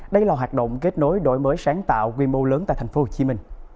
đây là hoạt động kết nối đổi mới sáng tạo quy mô lớn tại tp hcm